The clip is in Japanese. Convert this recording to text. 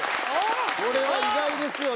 これは意外ですよね。